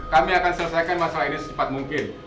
kami akan selesaikan masalah ini secepat mungkin